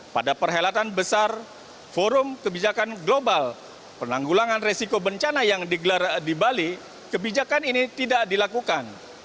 pada perhelatan besar forum kebijakan global penanggulangan resiko bencana yang digelar di bali kebijakan ini tidak dilakukan